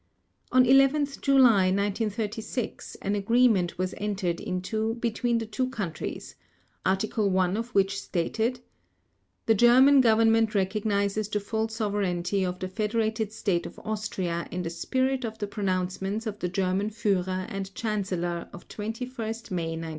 On 11 July 1936 an agreement was entered into between the two countries, Article 1 of which stated: "The German Government recognizes the full sovereignty of the Federated State of Austria in the spirit of the pronouncements of the German Führer and Chancellor of 21 May 1935."